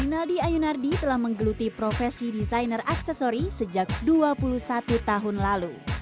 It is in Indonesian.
rinaldi ayunardi telah menggeluti profesi desainer aksesori sejak dua puluh satu tahun lalu